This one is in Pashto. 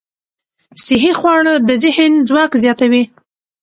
صحي خواړه د ذهن ځواک زیاتوي.